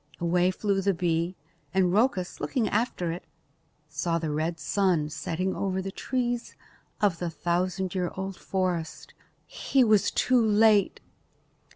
Away flew the bee and Rhoecus, looking after it, saw the red sun setting over the trees of the thousand year old forest. He was too late!